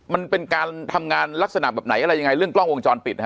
มันเป็นการทำงานลักษณะแบบไหนอะไรยังไงเรื่องกล้องวงจรปิดนะฮะ